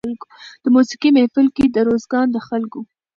د موسېقۍ محفل کې د روزګان د خلکو